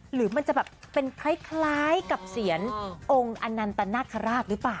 หรือมันจะแบบเป็นคล้ายกับเสียงองค์อนันตนาคาราชหรือเปล่า